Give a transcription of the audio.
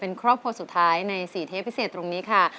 เป็นครอบครัวสุดท้ายใน๔เทปพิเศษตรงนี้ค่ะ